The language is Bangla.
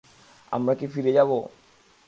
আমরা কি ফিরে যাবো?